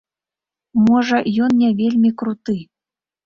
Можа, ён не вельмі круты.